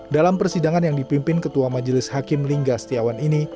dalam persidangan yang dipimpin ketua majelis hakim lingga setiawan ini